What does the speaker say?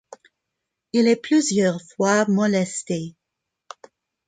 Il est plusieurs fois molesté.